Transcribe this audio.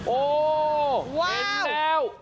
โอ้เห็นแล้ว